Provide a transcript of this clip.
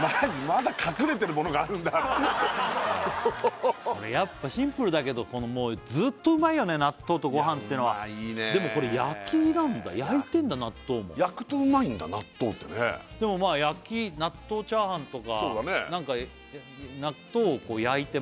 まだ隠れてるものがあるんだやっぱシンプルだけどずっとうまいよね納豆とごはんってのはいやうまいねでもこれ焼きなんだ焼いてんだ納豆も焼くとうまいんだ納豆ってねでもまあ焼き納豆チャーハンとかそうだねなんかあるもんね